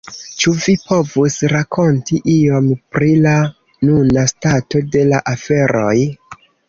Ĉu vi povus rakonti iom pri la nuna stato de la aferoj?